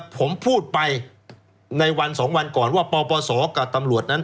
ผมพูดไปในวัน๒วันก่อนว่าปปศกับตำรวจนั้น